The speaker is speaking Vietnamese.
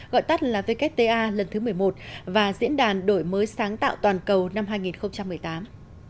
gọi tắt là wta lần thứ một mươi một và diễn đàn đổi mới sáng tạo toàn cầu năm hai nghìn một mươi tám